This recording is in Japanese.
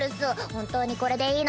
本当にこれでいいのか？